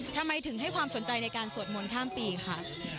ทำไมถึงให้ความสนใจในการสวดมนต์ข้ามปีค่ะ